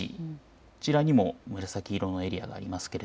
こちらにも紫色のエリアがあります。